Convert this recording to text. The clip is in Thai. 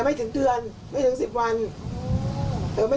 พอขายของพรุ่งนี้ก็ให้ตังไป